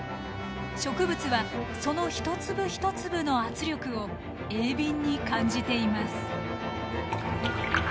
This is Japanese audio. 植物はその一粒一粒の圧力を鋭敏に感じています。